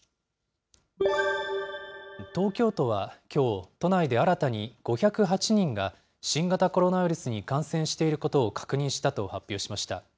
東京都はきょう、都内で新たに５０８人が新型コロナウイルスに感染していることを確認したと発表しました。